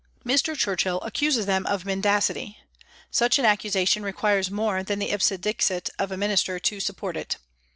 ..." Mr. Churchill accuses them of mendacity. Such an accusation requires more than the ipse dixit of a Minister to support it.